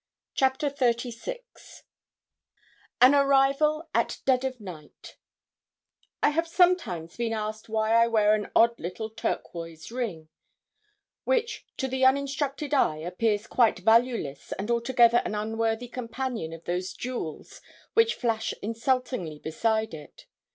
CHAPTER XXXVI AN ARRIVAL AT DEAD OF NIGHT I have sometimes been asked why I wear an odd little turquois ring which to the uninstructed eye appears quite valueless and altogether an unworthy companion of those jewels which flash insultingly beside it.